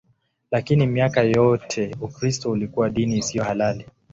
Lakini miaka yote Ukristo ulikuwa dini isiyo halali.